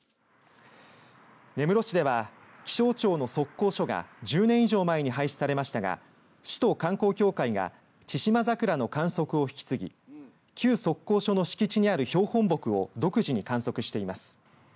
根室市では気象庁の測候所が１０年以上前に廃止されましたが市と観光協会がチシマザクラの観測を引き継ぎ旧測候所の敷地にある標本木を独自に観測しています。